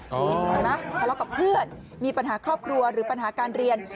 เห็นไหมทะเลาะกับเพื่อนมีปัญหาครอบครัวหรือปัญหาการเรียน